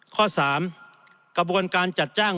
ข้อ๓กระบวนการจัดจ้าง